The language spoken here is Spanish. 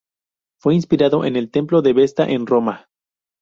Fue inspirado en el Templo de Vesta en Roma.